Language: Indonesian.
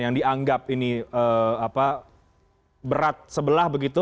yang dianggap ini berat sebelah begitu